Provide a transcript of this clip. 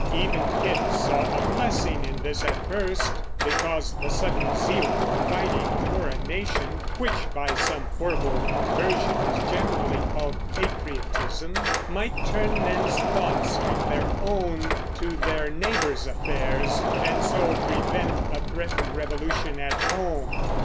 Even Pitt saw a blessing in this at first; because the sudden zeal for fighting a foreign nation which by some horrible perversion is generally called patriotism might turn men's thoughts from their own to their neighbors' affairs, and so prevent a threatened revolution at home.